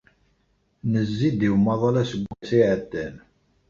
Nezzi-d i umaḍal aseggas-a iɛeddan.